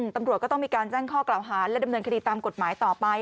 ตำรวจก็ต้องมีการแจ้งข้อกล่าวหาและดำเนินคดีตามกฎหมายต่อไป